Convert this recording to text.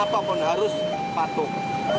apapun harus patuh